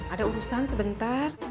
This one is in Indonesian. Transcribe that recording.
ada urusan sebentar